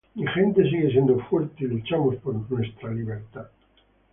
Mi gente sigue siendo fuerte y luchamos por nuestra libertad.